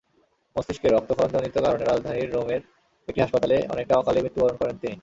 মস্তিষ্কে রক্তক্ষরণজনিত কারণে রাজধানী রোমের একটি হাসপাতালে অনেকটা অকালেই মৃত্যুবরণ করেন তিনি।